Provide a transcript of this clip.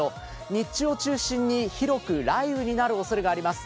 日中を中心に広く雷雨になるおそれがあります